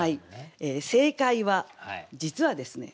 正解は実はですね